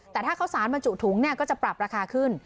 แต่ถ้าข้าวสารบรรจุถุงก็จะปรับราคาขึ้น